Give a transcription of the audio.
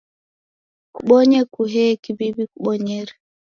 Kubonye kuhee kiw'iw'I kubonyere